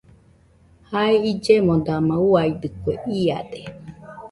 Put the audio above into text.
Jae illemo dama uiadɨkue iade.